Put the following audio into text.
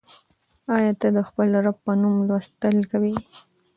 آیا ته د خپل رب په نوم لوستل کوې؟